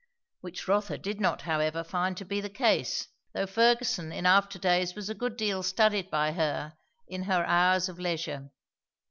Which Rotha did not however find to be the case, though Fergusson in after days was a good deal studied by her in her hours of leisure.